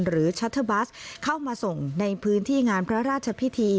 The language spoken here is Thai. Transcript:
ชัตเทอร์บัสเข้ามาส่งในพื้นที่งานพระราชพิธี